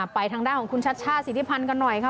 ไปทางด้านของคุณชัชชาติสิทธิพันธ์กันหน่อยค่ะ